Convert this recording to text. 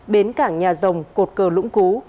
bến cảng nhà rồng cột cờ lũng cú